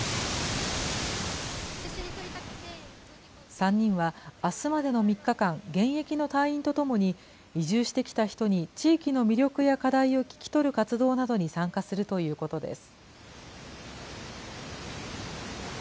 ３人はあすまでの３日間、現役の隊員とともに、移住してきた人に地域の魅力や課題を聞き取る活動などに参加するということです。